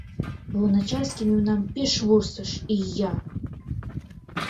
Луначарский мемнам пеш вурсыш, ия.